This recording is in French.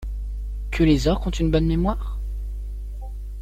Que les orques ont une bonne mémoire?